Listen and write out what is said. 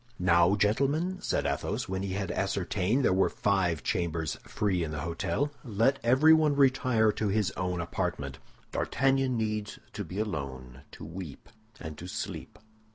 "Now, gentlemen," said Athos, when he had ascertained there were five chambers free in the hôtel, "let everyone retire to his own apartment. D'Artagnan needs to be alone, to weep and to sleep.